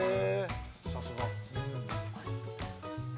◆さすが。